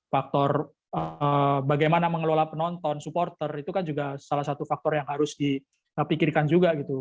faktor bagaimana mengelola penonton supporter itu kan juga salah satu faktor yang harus dipikirkan juga gitu